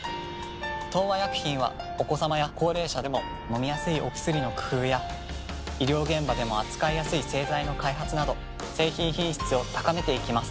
東和薬品はお子さまや高齢者でも飲みやすいお薬の工夫や医療現場でも扱いやすい製剤の開発など製品品質を高めていきます。